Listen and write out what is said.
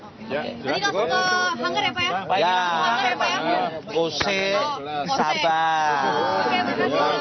terima kasih pak